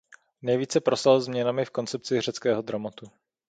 Nejvíc se proslavil změnami v koncepci řeckého dramatu.